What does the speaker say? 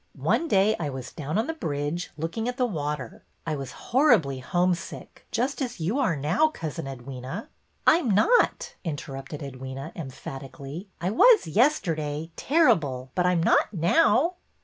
One day I was down on the bridge, looking at the water. I was horribly homesick, just as you are now. Cousin Edwyna." '' I 'm not," interrupted Edwyna, emphatically. I was yesterday, terrible, but I 'm not now."